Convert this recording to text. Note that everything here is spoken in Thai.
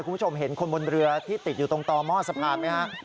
คุณผู้ชมเห็นคนบนเรือที่ติดอยู่ตรงต่อหม้อสะพานไหมฮะ